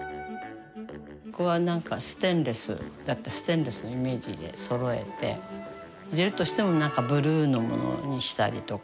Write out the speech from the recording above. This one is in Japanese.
ここはなんかステンレスステンレスのイメージでそろえて入れるとしてもなんかブルーのものにしたりとか。